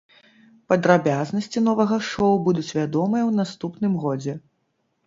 Падрабязнасці новага шоу будуць вядомыя ў наступным годзе.